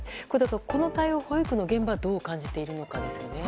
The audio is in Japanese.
この対応を保育の現場はどう感じているかですね。